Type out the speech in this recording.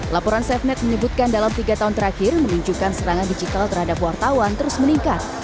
laporan safenet menyebutkan dalam tiga tahun terakhir menunjukkan serangan digital terhadap wartawan terus meningkat